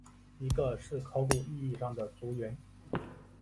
一个是考古意义上的族源。